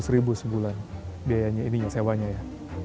tiga ratus ribu sebulan biayanya ini sewanya ya